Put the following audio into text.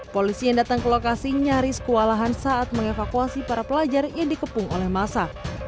polisi yang datang ke lokasi nyaris kewalahan saat mengevakuasi para pelajar yang dikepung oleh masa